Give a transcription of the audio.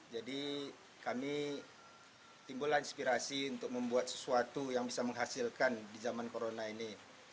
jadi kami timbul inspirasi untuk membuat sesuatu yang bisa menghasilkan di zaman corona ini